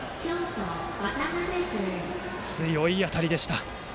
強い当たりでした。